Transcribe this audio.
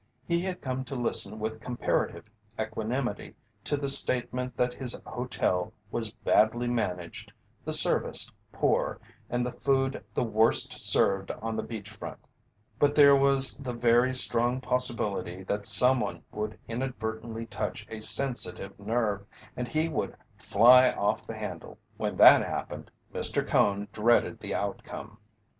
He had come to listen with comparative equanimity to the statement that his hotel was badly managed, the service poor, and the food the worst served on the beach front, but there was the very strong possibility that someone would inadvertently touch a sensitive nerve and he would "fly off the handle." When that happened, Mr. Cone dreaded the outcome.